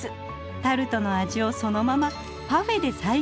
タルトの味をそのままパフェで再現しました。